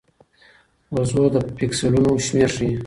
وضوح د پیکسلونو شمېر ښيي.